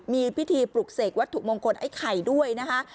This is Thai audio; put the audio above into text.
มีพิธีปลุกเสกวัตถุมงคลไอ้ไข่ด้วยนะคะ